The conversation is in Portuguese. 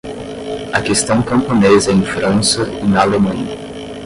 A Questão Camponesa em França e na Alemanha